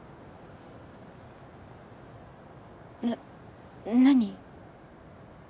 な何？